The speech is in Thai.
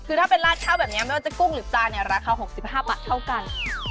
คือถ้าเป็นลาดเช่าแบบนี้ไม่ว่าจะกุ้งหรือปลาเนี่ยราคา๖๕บาทเท่ากัน